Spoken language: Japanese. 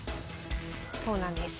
そうなんです。